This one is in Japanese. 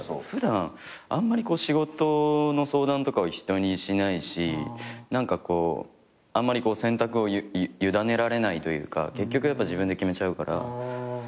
普段あんまり仕事の相談とかを人にしないし何かこうあんまり選択を委ねられないというか結局やっぱ自分で決めちゃうから。